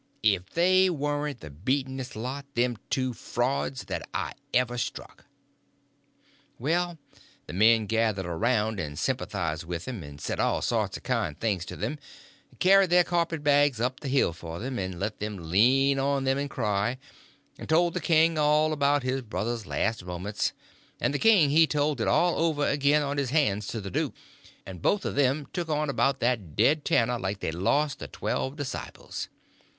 If they warn't the beatenest lot, them two frauds, that ever I struck. Well, the men gathered around and sympathized with them, and said all sorts of kind things to them, and carried their carpet bags up the hill for them, and let them lean on them and cry, and told the king all about his brother's last moments, and the king he told it all over again on his hands to the duke, and both of them took on about that dead tanner like they'd lost the twelve disciples.